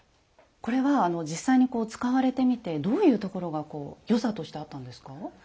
これは実際に使われてみてどういうところが良さとしてあったんですか？